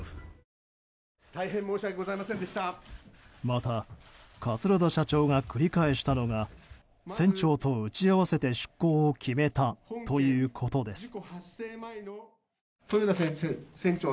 また、桂田社長が繰り返したのが船長と打ち合わせて出航を決めたということです。